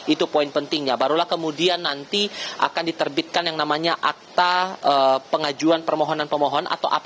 itu poin pentingnya barulah kemudian nanti akan diterbitkan yang namanya akta pengajuan permohonan pemohon atau app